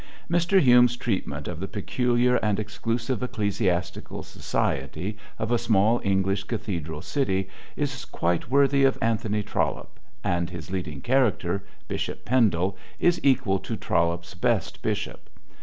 Mr. Hume's treatment of the peculiar and exclusive ecclesiastical society of a small English cathedral city is quite worthy of Anthony Trollope, and his leading character, Bishop Pendle, is equal to Trollope's best bishop.